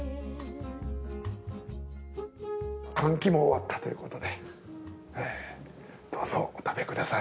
換気も終わったということでどうぞお食べください。